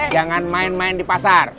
jangan main main di pasar